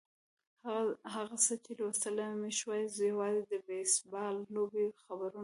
هغه څه چې لوستلای مې شوای یوازې د بېسبال لوبې خبرونه وو.